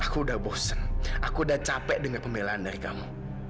aku udah bosen aku udah capek dengan pembelaan dari kamu